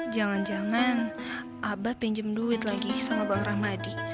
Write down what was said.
jangan jangan abah pinjem duit lagi sama bang rahmadi